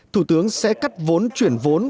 thủ tướng sẽ cắt vốn chuyển vốn